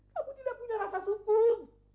kamu tidak punya rasa syukur